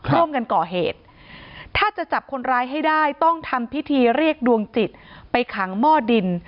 ร่วมกันก่อเหตุถ้าจะจับคนร้ายให้ได้ต้องทำพิธีเรียกดวงจิตไปขังหม้อดิน